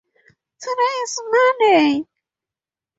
Today is Monday.